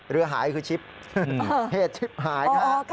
เรือหายคือชิปเพจชิปหายนะ